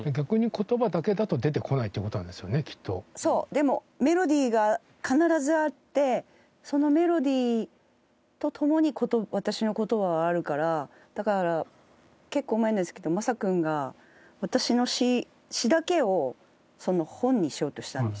でもメロディーが必ずあってそのメロディーとともに私の言葉はあるからだから結構前ですけどマサ君が私の詩だけを本にしようとしたんですよ。